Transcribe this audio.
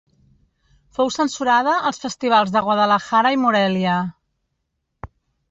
Fou censurada als festivals de Guadalajara i Morelia.